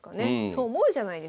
そう思うじゃないですか。